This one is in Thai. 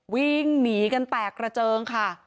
วิ่งหนีกันแตกกระเจิงค่ะ